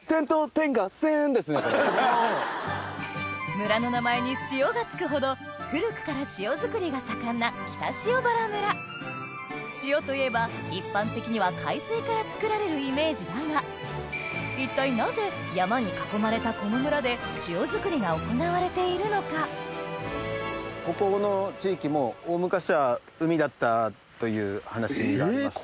村の名前に「塩」が付くほど古くから塩作りが盛んな北塩原村塩といえば一般的には海水から作られるイメージだが一体なぜ山に囲まれたこの村で塩作りが行われているのか？という話がありまして。